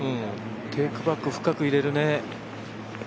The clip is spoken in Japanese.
テークバック深く入れるね。